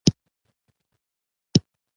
د سلطان له اجازې پرته ممکن نه وو.